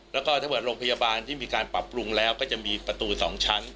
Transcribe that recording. แล้วก็ถ้าเกิดโรงพยาบาลที่มีการปรับปรุงแล้วก็จะมีประตู๒ชั้น